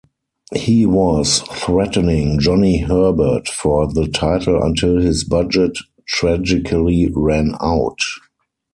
He was threatening Johnny Herbert for the title until his budget tragically ran out.